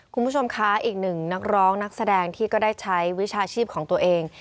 คุณผู้ชมคะอีกหนึ่งนักร้องนักแสดงที่ก็ได้ใช้วิชาชีพของตัวเอง